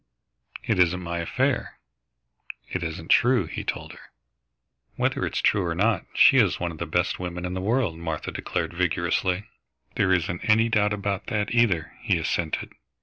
"It isn't my affair." "It isn't true," he told her. "Whether it's true or not, she is one of the best women in the world," Martha declared vigorously. "There isn't any doubt about that, either," he assented.